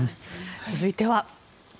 続いては。